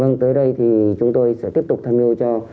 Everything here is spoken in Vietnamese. hướng tới đây thì chúng tôi sẽ tiếp tục tham mưu cho